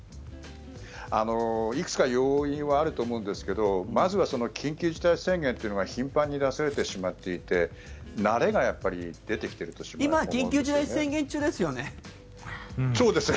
いくつか要因はあると思うんですがまずは緊急事態宣言というのが頻繁に出されてしまっていて慣れが出てきていると思うんですね。